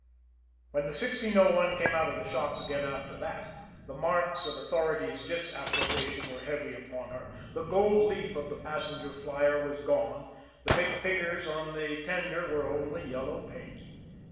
When the 1601 came out of the shops again after that, the marks of authority's disapprobation were heavy upon her the gold leaf of the passenger flyer was gone; the big figures on the tender were only yellow paint.